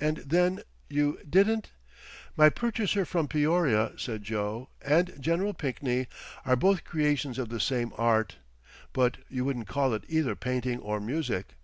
"And then you didn't—" "My purchaser from Peoria," said Joe, "and Gen. Pinkney are both creations of the same art—but you wouldn't call it either painting or music."